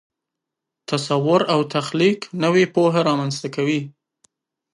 تصور او تخلیق نوې پوهه رامنځته کوي.